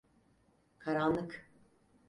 Karanlık!